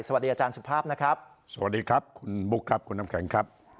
สวัสดีอาจารย์สุภาพนะครับสวัสดีครับคุณบุ๊คครับคุณน้ำแข็งครับ